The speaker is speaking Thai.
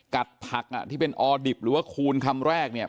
ผักอ่ะที่เป็นออดิบหรือว่าคูณคำแรกเนี่ย